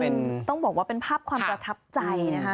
เป็นต้องบอกว่าเป็นภาพความประทับใจนะคะ